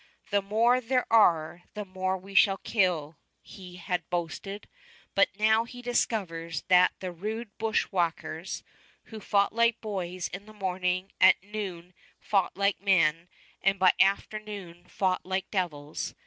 "The more there are, the more we shall kill," he had boasted; but now he discovers that the rude bushwhackers, "who fought like boys in the morning, at noon fought like men, and by afternoon fought like devils."